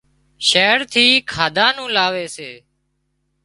شهر ٿي کاڌا نُون لاوي سي